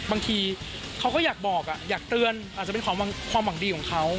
บางทีเขาก็อยากบอกอยากเตือนอาจจะเป็นความหวังดีของเขา